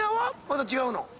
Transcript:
また違うの？